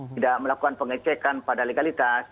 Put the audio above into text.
tidak melakukan pengecekan pada legalitas